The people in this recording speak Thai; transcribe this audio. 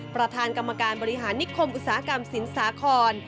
ประธานกรรมการบริหารนิคมอุตสาหกรรมสินสาคร